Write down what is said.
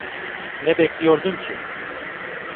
Ne bekliyordun ki?